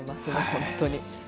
本当に。